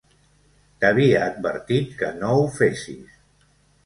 T'havia advertit que no ho fessis.